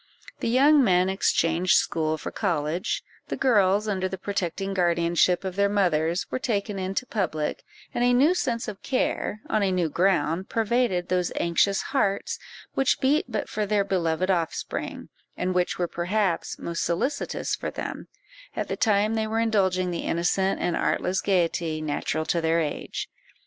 The young men exchanged school for college; the girls, under the protecting guardianship of their mothers, were taken into public; and a new sense of care, on a new ground, pervaded those anxious hearts, which beat but for their beloved offspring, and which were perhaps most solicitous for them, at the time they were indulging the innocent and artless gaiety natural to their age.